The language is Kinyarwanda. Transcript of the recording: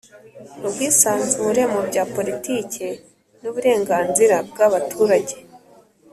Ubwisanzure mu bya politike n uburenganzira bw abaturage